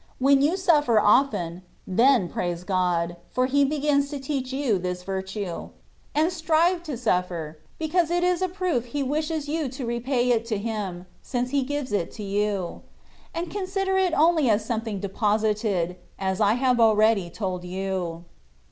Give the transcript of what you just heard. When you suffer often, then praise God, for He begins to teach you this vir tue ; and strive to suffer, because it is a proof He wishes you to repay it to Him, since He gives it to you : but consider it only as something deposited^ as I have already told you.